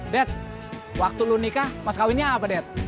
det waktu lo nikah mas kawinnya apa det